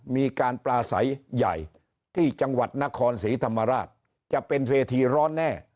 มีการปลาใสใหญ่ที่จังหวัดนครศรีธรรมราชจะเป็นเวทีร้อนแน่